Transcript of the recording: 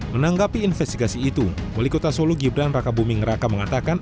menanggapi investigasi itu wali kota solo gibran raka buming raka mengatakan